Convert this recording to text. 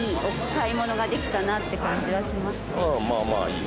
まあまあいい。